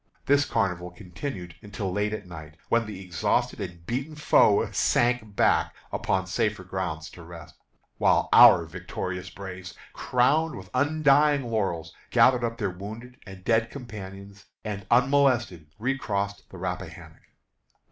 This carnival continued until late at night, when the exhausted and beaten foe sank back upon safer grounds to rest, while our victorious braves, crowned with undying laurels, gathered up their wounded and dead companions, and, unmolested, recrossed the Rappahannock.